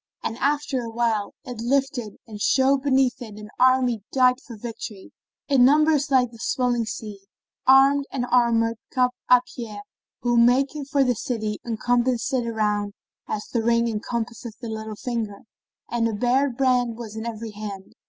And after a while it lifted and showed beneath it an army dight for victory, in numbers like the swelling sea, armed and armoured cap а pie who, making for the city, encompassed it around as the ring encompasseth the little finger;[FN#21] and a bared brand was in every hand.